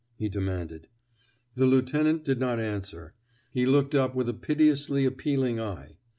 '' he demanded. The lieutenant did not answer; he looked up with a piteously appealing eye.